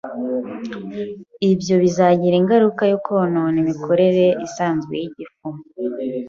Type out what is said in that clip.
ibyo bizagira ingaruka yo konona imikorere isanzwe y’igifu